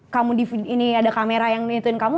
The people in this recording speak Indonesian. kamu di video ini ada kamera yang nge inituin kamu